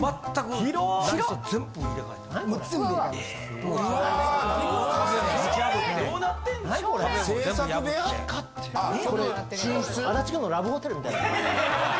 足立区のラブホテルみたいだな。